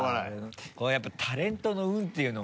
こうやっぱタレントの運っていうのをね